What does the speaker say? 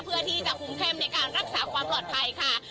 เพื่อที่จะคุมเข้มในการรักษาความปลอดภัยค่ะ